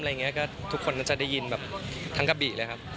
อะไรอย่างนี้ก็ทุกคนจะได้ยินแบบทั้งกระบี่เลยครับ